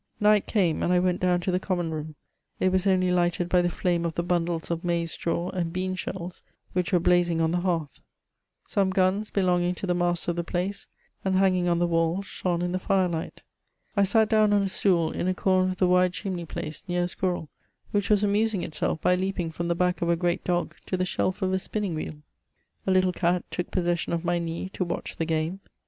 Night came, and 1 went down to the common room ; it was only lighted by the flame of the bundles of maize straw and bean shells which were blazing on the hearth. Some guns belongings to the master of the place, and hanging on the walls, shone in the fire light. I sat down on a stool in a corner of the wide chimney place, near a squirrel, which was amusing itself by leaping from the back of a g^eat dog to the shelf of a spinning wheel. A little cat took possession of my knee, to watch the game.